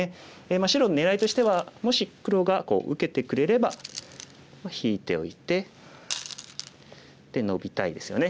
白のねらいとしてはもし黒が受けてくれれば引いておいてノビたいですよね。